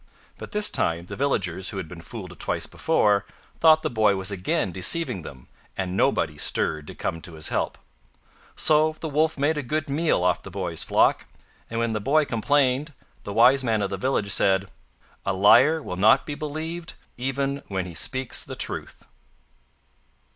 But this time the villagers who had been fooled twice before, thought the boy was again deceiving them, and nobody stirred to come to bis help. So the Wolf made a good meal off the boy's flock, and when the boy complained, the wise man of the village said: "A LIAR WILL NOT BE BELIEVED, EVEN WHEN HE SPEAKS THE TRUTH."